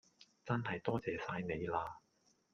真系多謝晒你啦